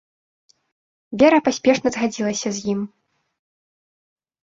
Вера паспешна згадзілася з ім.